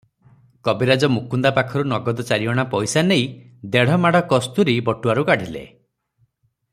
କବିରାଜ ମୁକୁନ୍ଦା ପାଖରୁ ନଗଦ ଚାରିଅଣା ପଇସା ନେଇ ଦେଢ଼ ମାଢ଼ କସ୍ତୁରୀ ବଟୁଆରୁ କାଢ଼ିଲେ ।